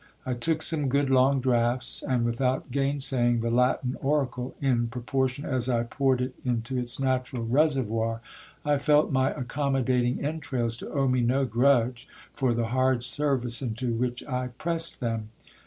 I took some good long draughts, and without gainsaying the Latin oracle, in proportion as I poured it into its natural reservoir, I felt my accommodating entrails to owe me no grudge for the hard service into which I pressed them.